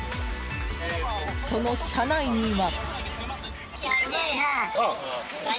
その車内には。